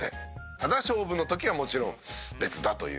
ただ勝負の時はもちろん別だという。